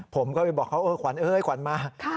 ผมก็ไปบอกเขาเออขวัญเอ้ยขวัญมา